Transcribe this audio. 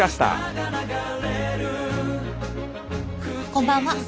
こんばんは。